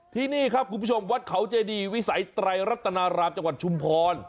ที่นี่ครับคุณผู้ชมวัดเขาเจดีวิสัยไตรรัตนารามจังหวัดชุมพร